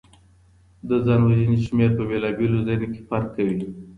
د ځان وژنې شمېر په بیلابیلو ځایونو کي فرق کوي.